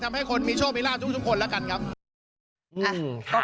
ทำให้คนมีโชคมีลาบทุกคนแล้วกันครับ